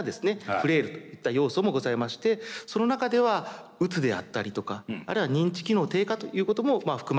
フレイルといった要素もございましてその中ではうつであったりとかあるいは認知機能低下ということも含まれるものでございます。